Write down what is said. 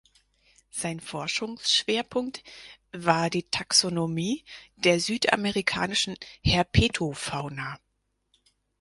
Sein Forschungsschwerpunkt war die Taxonomie der südamerikanischen Herpetofauna.